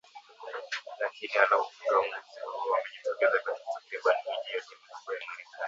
Lakini wanaopinga uamuzi huo wamejitokeza katika takriban miji yote mikubwa ya Marekani